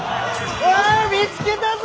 お見つけたぞ！